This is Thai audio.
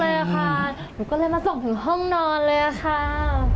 แล้วค่ะก็เลยมาส่งถึงห้องนอนเลยค่ะ